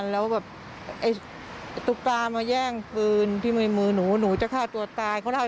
แล้วเรื่องปืนของแฟนสาวหนูก็พาเขามามอบตัว